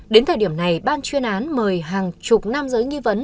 đến thời điểm này ban chuyên án mời hàng chục nam giới nghi vấn